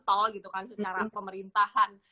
tol gitu kan secara pemerintahan